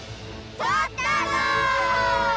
とったど！